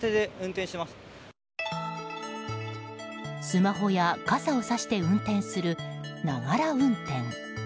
スマホや傘をさして運転するながら運転。